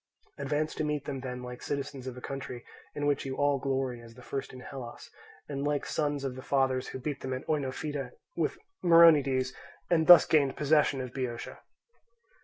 Advance to meet them then like citizens of a country in which you all glory as the first in Hellas, and like sons of the fathers who beat them at Oenophyta with Myronides and thus gained possession of Boeotia."